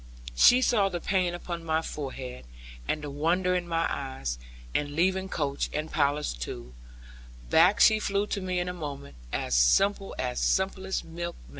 She saw the pain upon my forehead, and the wonder in my eyes, and leaving coach and palace too, back she flew to me in a moment, as simple as simplest milkmaid.